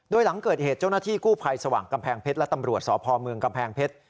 โดยหลังเกิดเหตุเจ้าหน้าที่กู้ภัยสว่างกำแพงเพชรและตำรวจสพเมืองกำแพงเพชร